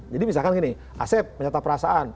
jadi misalkan gini asep menyatakan perasaan